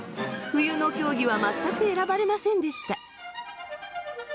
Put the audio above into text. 冬の競技は全く選ばれませんでした。